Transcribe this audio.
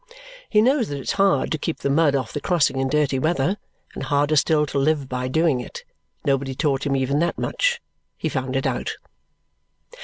He knows that it's hard to keep the mud off the crossing in dirty weather, and harder still to live by doing it. Nobody taught him even that much; he found it out.